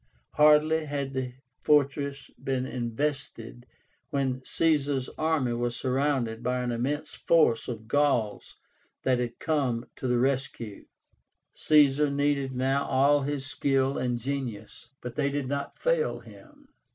Hardly had the fortress been invested when Caesar's army was surrounded by an immense force of Gauls that had come to the rescue. Caesar needed now all his skill and genius. But they did not fail him.